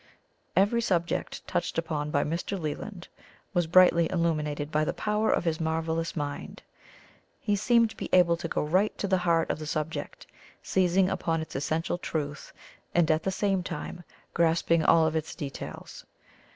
Every subject touched upon by Mr. Leland was brightly illuminated by the power of his marvellous mind. He seemed to be able to go right to the heart of the subject, seizing upon its essential truth and at the same time grasping all of its details.